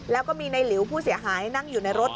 แล้วก็มีในหลิวผู้เสียหายนั่งอยู่ในรถ